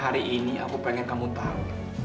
hari ini aku pengen kamu tahu